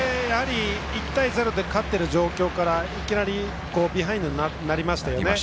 １対０で勝っている状況からいきなりビハインドになりましたよね。